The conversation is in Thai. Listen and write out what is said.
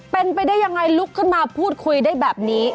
เป็นไปได้ยังไงลุกขึ้นมาพูดคุยได้แบบนี้